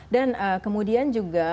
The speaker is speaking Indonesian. dan kemudian juga